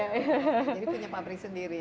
jadi punya pabrik sendiri